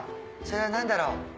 それは何だろう？